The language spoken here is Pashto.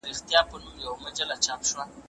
موږ د غره په غاړه کې ناست وو.